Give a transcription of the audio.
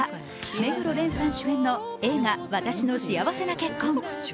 目黒蓮さん主演の映画「わたしの幸せな結婚」。